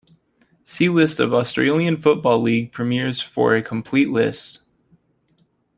See List of Australian Football League premiers for a complete list.